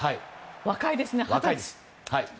若いですね、二十歳。